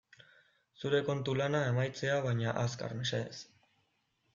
Zure kontu lana amaitzea baina azkar, mesedez.